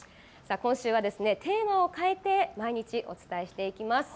今週はテーマを変えて毎日お伝えしていきます。